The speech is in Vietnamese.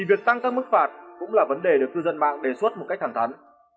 được cư dân mạng đề xuất một cách thẳng thắn